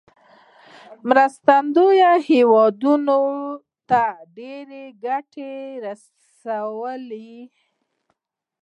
مرستې ډونر هیوادونو ته ډیره ګټه رسوي.